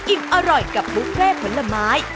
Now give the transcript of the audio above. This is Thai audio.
อิ่มอร่อยกับบุฟเฟ่ผลไม้